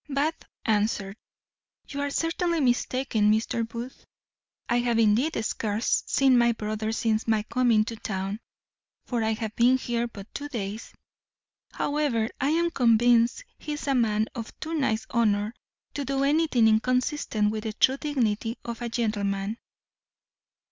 Bath answered, "You are certainly mistaken, Mr. Booth. I have indeed scarce seen my brother since my coming to town; for I have been here but two days; however, I am convinced he is a man of too nice honour to do anything inconsistent with the true dignity of a gentleman."